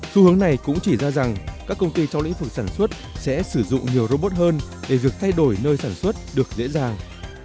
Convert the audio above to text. xu hướng này cũng chỉ ra rằng các công ty trong lĩnh vực sản xuất sẽ sử dụng nhiều robot hơn để việc thay đổi nơi sản xuất được dễ dàng